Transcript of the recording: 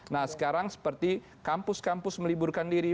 nah sekarang seperti kampus kampus meliburkan diri